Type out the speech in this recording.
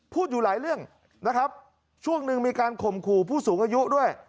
พูดอยู่หลายเรื่องนะครับช่วงหนึ่งมีการข่มขู่ผู้สูงอายุด้วย